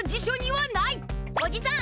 おじさん！